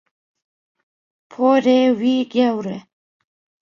Porê wî gewr e.